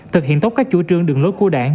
thực hiện tốt các chủ trương đường lối của đảng